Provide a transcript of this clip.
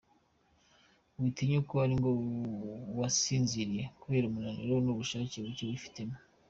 Witinya uko uri ngo wisinzirire kubera umunaniro n’ubushake buke wifitemo.